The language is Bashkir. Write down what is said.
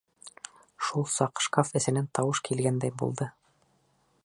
Шул саҡ шкаф эсенән тауыш килгәндәй булды.